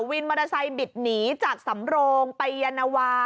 วินมอเตอร์ไซค์บิดหนีจากสำโรงไปยานวา